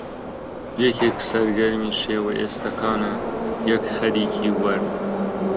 یەکێک سەرگەرمی شێوە ئێستەکانە، یەک خەریکی وەرد